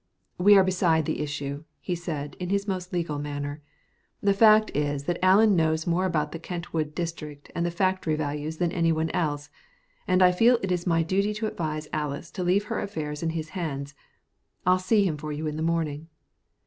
"We are beside the issue," he said in his most legal manner. "The fact is that Allen knows more about the Kentwood district and the factory values than any one else, and I feel it my duty to advise Alys to leave her affairs in his hands. I'll see him for you in the morning."